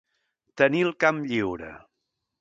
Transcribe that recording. Tenir el camp lliure.